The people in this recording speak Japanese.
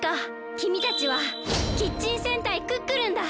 きみたちはキッチン戦隊クックルンだ！